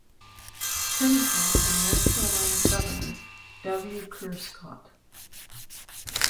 Senator and North Carolina Governor W. Kerr Scott.